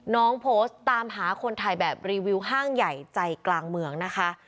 โพสต์ตามหาคนถ่ายแบบรีวิวห้างใหญ่ใจกลางเมืองนะคะ